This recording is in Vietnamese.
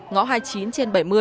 ngõ hai mươi chín trên bảy mươi